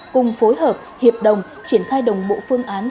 cùng phối hợp hiệp đồng triển khai đồng bộ phương án